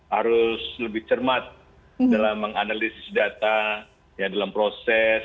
harus lebih cermat dalam menganalisis data dalam proses